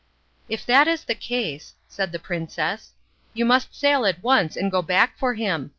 "If that is the case," said the princess, "you must set sail at once and go back for him.